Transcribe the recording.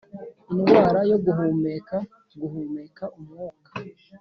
indwara yo guhumeka, guhumeka umwuka: